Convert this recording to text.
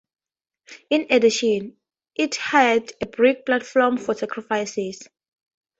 In addition, it had a brick platform for sacrifices.